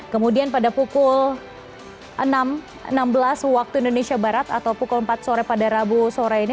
kemudian pada pukul enam belas waktu indonesia barat atau pukul empat sore pada rabu sore ini